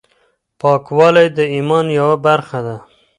پاکوالی د ايمان يوه برخه ده.